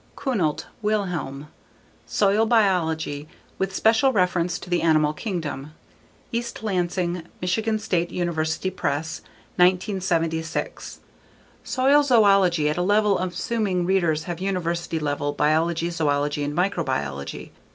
Kuhnelt, Wilhelm. _Soil Biology: with special reference to the animal kingdom. _East Lansing: Michigan State University Press, 1976. Soil zoology at a level assuming readers have university level biology, zoology and microbiology.